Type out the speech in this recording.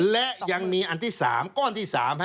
และยังมีอันที่๓ก้อนที่๓